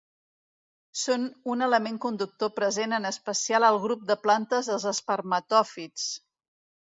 Són un element conductor present en especial al grup de plantes dels espermatòfits.